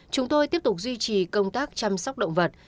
chúng tôi tiếp tục duy trì công tác chăm sóc động vật